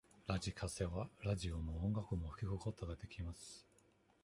ラジカセはラジオも音楽も聞くことができます。